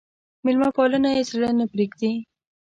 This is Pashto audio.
مېلمه پالنه يې زړه نه پرېږدي.